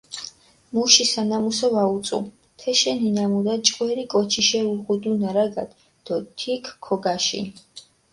მუში სანამუსო ვაუწუ, თეშენი ნამუდა ჭკვერი კოჩიშე უღუდუ ნარაგადჷ დო თიქჷ ქოგაშინჷ.